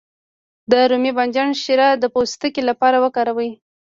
د رومي بانجان شیره د پوستکي لپاره وکاروئ